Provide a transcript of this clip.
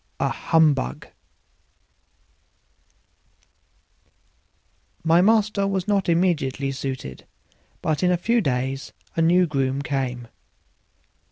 31 A Humbug My master was not immediately suited, but in a few days my new groom came.